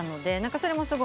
それもすごい。